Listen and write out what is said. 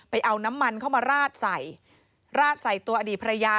เอาน้ำมันเข้ามาราดใส่ราดใส่ตัวอดีตภรรยา